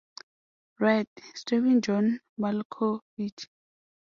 Right, starring John Malkovich.